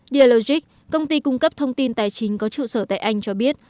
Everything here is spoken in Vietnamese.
dialogic công ty cung cấp thông tin tài chính có trụ sở tại anh cho biết